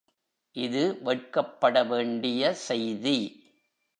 இது வெட்கப்படவேண்டிய செய்தி.